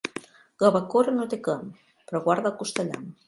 La bacora no té clam, però guarda el costellam.